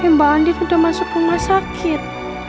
mbak andin udah masuk rumah sakit